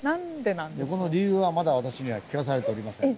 この理由はまだ私には聞かされておりません。